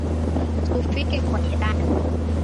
Tufike kwa jirani